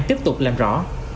tiếp tục làm rõ